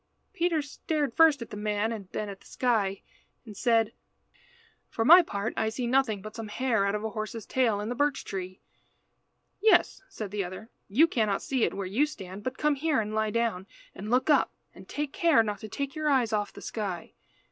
Peter stared first at the man and then at the sky, and said "For my part, I see nothing but some hair out of a horse's tail in the birch tree." "Yes," said the other, "you cannot see it where you stand, but come here and lie down, and look up, and take care not to take your eyes off the sky."